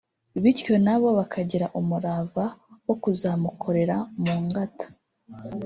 bityo nabo bakagira umurava wo kuzamukorera mu ngata